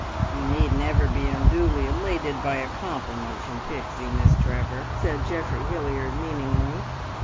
"You need never be unduly elated by a compliment from Pixie, Miss Trevor," said Geoffrey Hilliard meaningly.